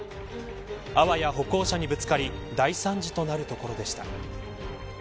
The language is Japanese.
あわや歩行者にぶつかり大惨事となるところでした。